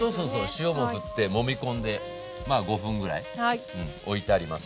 塩もふってもみ込んでまあ５分ぐらいおいてあります。